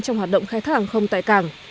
trong hoạt động khai thác hàng không tại cảng